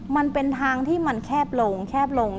มันเป็นทางที่มันแคบลงแคบลง